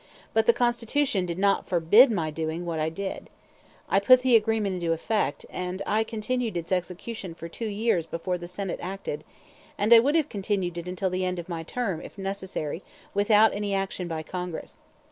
But the Constitution did not forbid my doing what I did. I put the agreement into effect, and I continued its execution for two years before the Senate acted; and I would have continued it until the end of my term, if necessary, without any action by Congress.